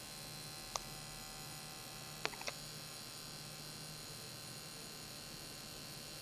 আদমশুমারি একটি দেশের জনসংখ্যার সরকারি গণনা হিসেবে গণ্য করা হয়।